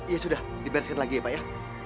ya sudah dibereskan lagi ya pak ya